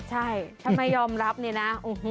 ใช่ถ้าไม่ยอมรับเนี่ยนะ